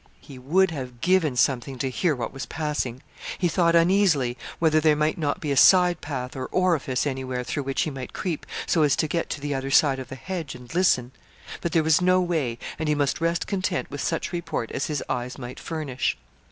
He would have given something to hear what was passing. He thought uneasily whether there might not be a side path or orifice anywhere through which he might creep so as to get to the other side of the hedge and listen. But there was no way, and he must rest content with such report as his eyes might furnish.